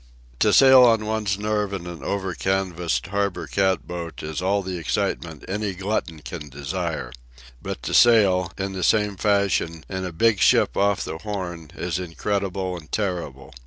To sail on one's nerve in an over canvassed harbour cat boat is all the excitement any glutton can desire. But to sail, in the same fashion, in a big ship off the Horn, is incredible and terrible.